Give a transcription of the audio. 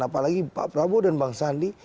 apalagi pak prabowo dan bang sandi